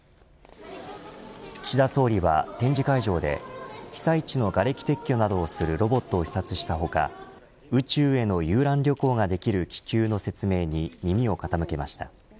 岸田総理は展示会場で被災地のがれき撤去などをするロボットを視察した他宇宙への遊覧旅行ができる気球の説明に耳を傾けました。